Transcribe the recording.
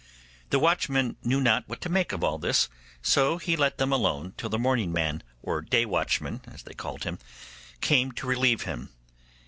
The watchman knew not what to make of all this, so he let them alone till the morning man or day watchman, as they called him, came to relieve him.